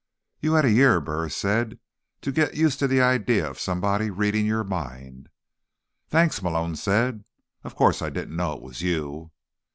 "You had a year," Burris said, "to get used to the idea of somebody reading your mind." "Thanks," Malone said. "Of course, I didn't know it was you."